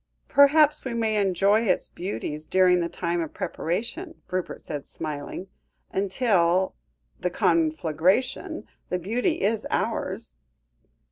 '" "Perhaps we may enjoy its beauties during the time of preparation," Rupert said smiling; "until the conflagration, the beauty is ours."